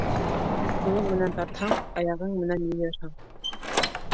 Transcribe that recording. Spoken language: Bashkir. Ҡулың менән тартһаң, аяғың менән йыйырһың.